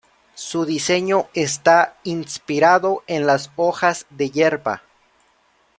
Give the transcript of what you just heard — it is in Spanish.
Su diseño está inspirado en las hojas de hierba.